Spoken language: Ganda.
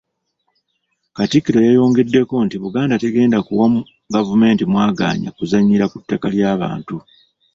Katikkiro yayongeddeko nti Buganda tegenda kuwa gavumenti mwagaanya kuzannyira ku ttaka ly’abantu.